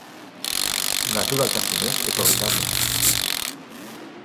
Naturaltasunez etorri da dena.